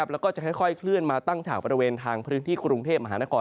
แล้วก็จะค่อยเคลื่อนมาตั้งฉากบริเวณทางพื้นที่กรุงเทพมหานคร